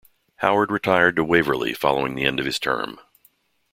Howard retired to "Waverly" following the end of his term.